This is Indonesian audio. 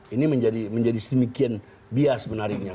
ini menjadi sedemikian bias menariknya